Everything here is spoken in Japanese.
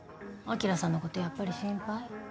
晶さんの事やっぱり心配？